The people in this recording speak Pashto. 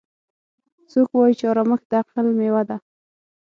څوک وایي چې ارامښت د عقل میوه ده